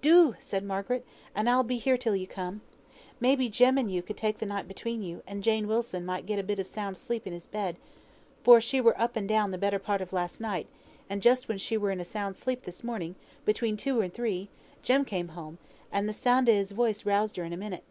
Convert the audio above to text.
"Do!" said Margaret, "and I'll be here till you come. May be, Jem and you could take th' night between you, and Jane Wilson might get a bit of sound sleep in his bed; for she were up and down the better part of last night, and just when she were in a sound sleep this morning, between two and three, Jem came home, and th' sound o' his voice roused her in a minute."